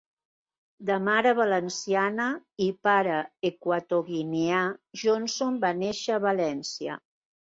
De mare valenciana i pare equatoguineà, Johnson va nàixer a València.